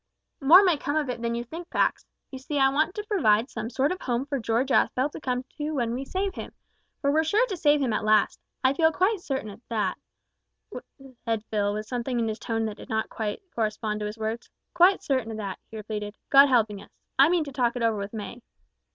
"More may come of it than you think, Pax. You see I want to provide some sort of home for George Aspel to come to when we save him for we're sure to save him at last. I feel certain of that," said Phil, with something in his tone that did not quite correspond to his words "quite certain of that," he repeated, "God helping us. I mean to talk it over with May."